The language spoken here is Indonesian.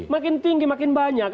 makin tinggi makin banyak